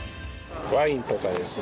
ワインとかですね。